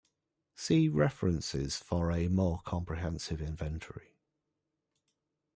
See references for a more comprehensive inventory.